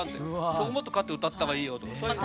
そこもっとこうやって歌った方がいいよとかそういう。